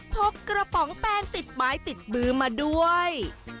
กระป๋องแปง๑๐ไม้ติดมือมาด้วย